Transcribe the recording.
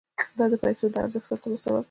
دا د پیسو د ارزښت ساتلو سبب کیږي.